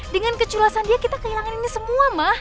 dengan keculasan dia kita kehilangan ini semua mah